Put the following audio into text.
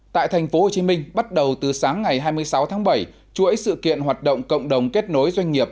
tại tp hcm bắt đầu từ sáng ngày hai mươi sáu tháng bảy chuỗi sự kiện hoạt động cộng đồng kết nối doanh nghiệp